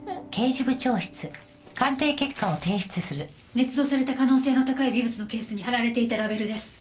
捏造された可能性の高い微物のケースに貼られていたラベルです。